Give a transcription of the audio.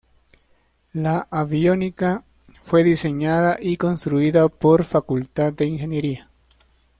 La aviónica fue diseñada y construida por Facultad de Ingeniería.